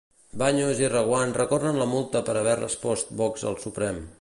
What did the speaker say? Baños i Reguant recorren la multa per haver respost Vox al Suprem.